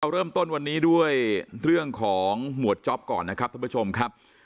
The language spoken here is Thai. เริ่มต้นวันนี้ด้วยเรื่องของหมวดจ๊อปก่อนนะครับท่านผู้ชมครับ